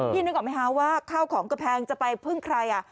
นึกออกไหมคะว่าข้าวของก็แพงจะไปพึ่งใคร